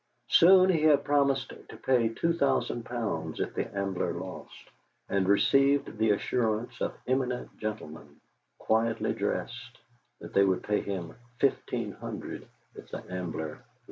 Soon he had promised to pay two thousand pounds if the Ambler lost, and received the assurance of eminent gentlemen, quietly dressed, that they would pay him fifteen hundred if the Ambler won.